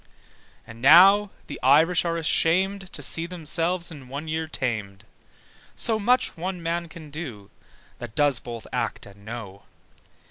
And now the Irish are ashamed To see themselves in one year tamed: So much one man can do, That does both act and know.